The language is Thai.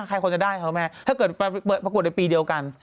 ใครควรจะได้ครับแม่ถ้าเกิดประกวดในปีเดียวกัน